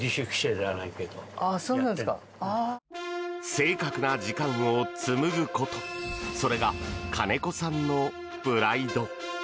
正確な時間を紡ぐことそれが金子さんのプライド。